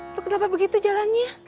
lu kenapa begitu jalannya